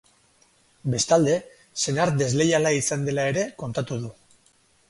Bestalde, senar desleiala izan dela ere kontatu du.